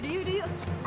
udah yuk yuk